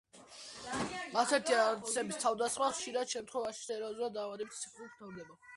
ასეთი არსების თავდასხმა, ხშირ შემთვევაში, სერიოზული დაავადებით ან სიკვდილით მთავრდება.